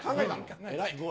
偉い。